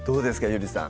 ゆりさん